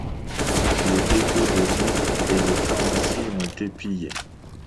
Les dépôts de vivres et les pharmacies ont été pillées.